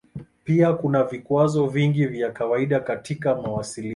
Pia kuna vikwazo vingi vya kawaida katika mawasiliano.